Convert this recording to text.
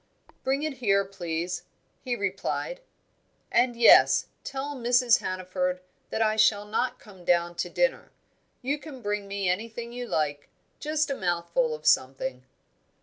"Bring it here, please," he replied. "And yes, tell Mrs. Hannaford that I shall not come down to dinner you can bring me anything you like just a mouthful of something."